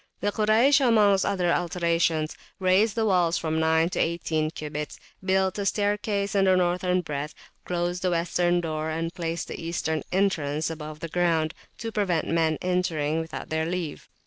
The Kuraysh, amongst other alterations, raised the walls [p.323] from nine to eighteen cubits, built a staircase in the northern breadth, closed the western door and placed the eastern entrance above the ground, to prevent men entering without their leave.